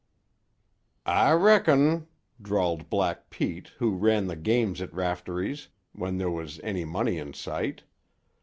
"I reck ong," drawled Black Pete, who ran the games at Raftery's when there was any money in sight.